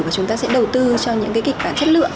và chúng ta sẽ đầu tư cho những cái kịch bản chất lượng